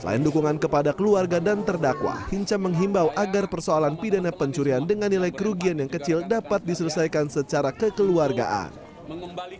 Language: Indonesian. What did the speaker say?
selain dukungan kepada keluarga dan terdakwa hinca menghimbau agar persoalan pidana pencurian dengan nilai kerugian yang kecil dapat diselesaikan secara kekeluargaan